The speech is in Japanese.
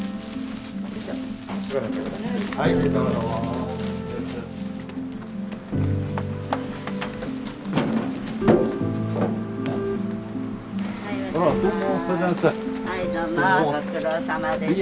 どうもご苦労さまです。